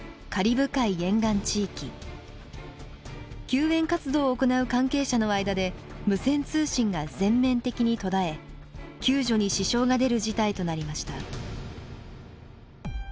救援活動を行う関係者の間で無線通信が全面的に途絶え救助に支障が出る事態となりました。